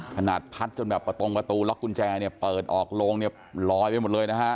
ขนาดพัดจนแบบประตงประตูล็อกกุญแจเนี่ยเปิดออกโรงเนี่ยลอยไปหมดเลยนะฮะ